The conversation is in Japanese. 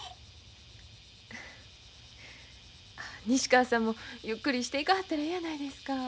西川さんもゆっくりしていかはったらえやないですか。